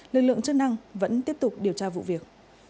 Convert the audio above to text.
lực lượng chức năng vẫn tiếp tục điều tra vụ việc